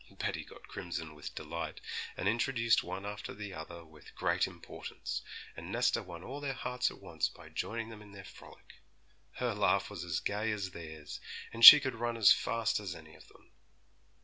Betty got crimson with delight, and introduced one after the other with great importance, and Nesta won all their hearts at once by joining them in their frolic. Her laugh was as gay as theirs, and she could run as fast as any of them.